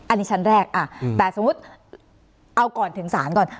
อันนี้ชั้นแรกแต่สมมุติเอาก่อนถึงศาลก่อน